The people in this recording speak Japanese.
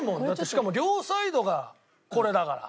しかもサイドがこれだから。